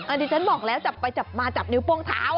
อันนี้ฉันบอกแล้วจับไปจับมาจับนิ้วป้วงเท้า